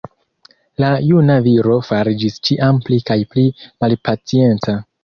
La juna viro fariĝis ĉiam pli kaj pli malpacienca.